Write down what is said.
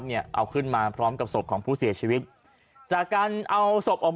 เนี่ยเอาขึ้นมาพร้อมกับศพของผู้เสียชีวิตจากการเอาศพออก